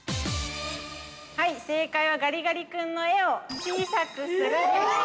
◆正解は、ガリガリ君の絵を小さくするでした。